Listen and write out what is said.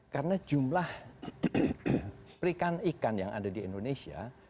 karena jumlah perikan ikan yang ada di indonesia